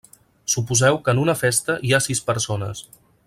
Suposeu que en una festa hi ha sis persones.